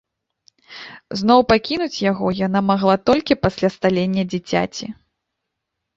Зноў пакінуць яго яна магла толькі пасля сталення дзіцяці.